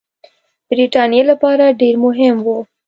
برټانیې لپاره ډېر مهم وه.